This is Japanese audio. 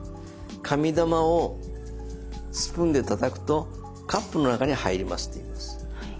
「紙玉をスプーンでたたくとカップの中に入ります」と言います。